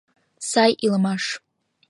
Сай илымаш!